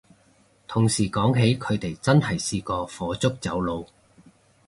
同事講起佢哋真係試過火燭走佬